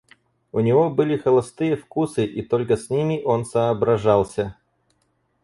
У него были холостые вкусы, и только с ними он соображался.